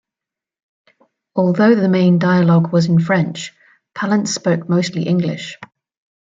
Although the main dialogue was in French, Palance spoke mostly English.